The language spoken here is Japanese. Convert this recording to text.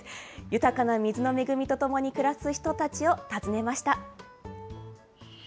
豊かな水の恵みとともに暮らす人たちを訪ねました。